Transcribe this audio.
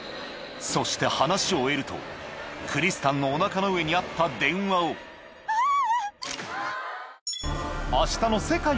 そして話を終えるとクリスタンのお腹の上にあった電話をキャ！